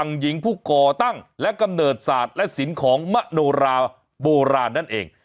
หญิงผู้ก่อตั้งและกำเนิดศาสตร์และสินของมะโนราโบราณนั่นเอง